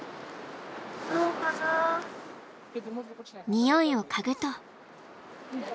においを嗅ぐと。